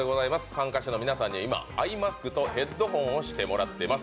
参加者の皆さんには今、アイマスクとヘッドホンをしてもらってます。